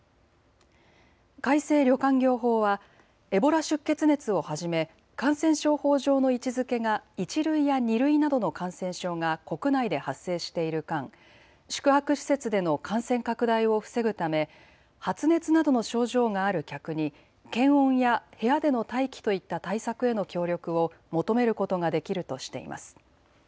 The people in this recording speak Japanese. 改正旅館業法はエボラ出血熱をはじめ感染症法上の位置づけが１類や２類などの感染症が国内で発生している間、宿泊施設での感染拡大を防ぐため発熱などの症状がある客に検温や部屋での待機といった対策への協力を求めることができるとしています。